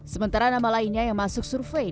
sementara nama lainnya yang masuk survei